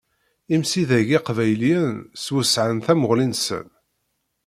Imsidag iqbayliyen swesɛen tamuɣli-nsen.